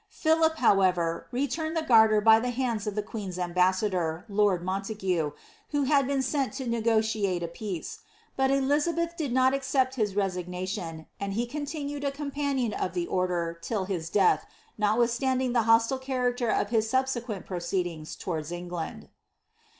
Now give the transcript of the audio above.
Philip, however, returned the girter by the bandtf of the queen's ambassador, lord Montague, who had been sent to negth tiate a peace ; but Elizabeth did not accept his resignation, and he eoii» tinued a companion of the order till his death, notwithstanding the hostile character of his subsequent proceedings towards England.'